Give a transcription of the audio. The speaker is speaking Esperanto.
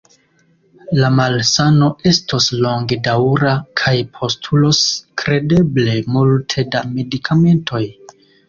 La malsano estos longedaŭra kaj postulos kredeble multe da medikamentoj.